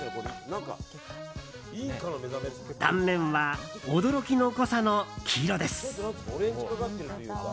断面は驚きの濃さの黄色です。